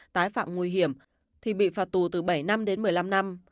tái phạm nguy hiểm thì bị phạt tù từ bảy năm đến một mươi năm năm